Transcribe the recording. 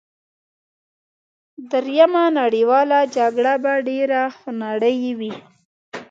دریمه نړیواله جګړه به ډېره خونړۍ وي